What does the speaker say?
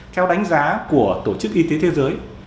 theo đánh giá của tổ chức y tế thế giới